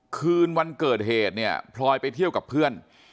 คืนวันเกิดเหตุเนี่ยพลอยไปเที่ยวกับเพื่อน